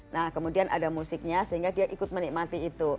nah kemudian ada musiknya sehingga dia ikut menikmati itu